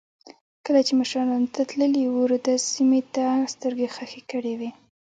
کله چې مشران لندن ته تللي وو رودز سیمې ته سترګې خښې کړې وې.